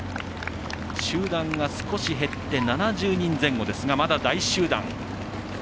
集団が、少し減って７０人前後ですがまだ大集団。